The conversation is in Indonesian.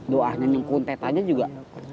doanya nungguin tetanya juga